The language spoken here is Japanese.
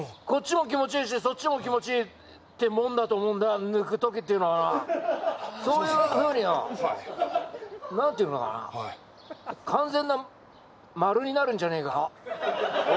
こっちも気持ちいいしそっちも気持ちいいってもんだと思うんだ抜く時っていうのはそういうふうによ何ていうのかな完全な丸になるんじゃねえか？